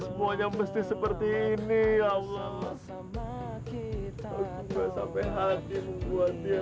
semuanya mesti seperti ini allah sama kita juga sampai hatimu buat dia